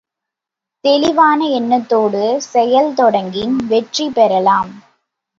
தெளிவான எண்ணத்தோடு செயல் தொடங்கின் வெற்றி பெறலாம்.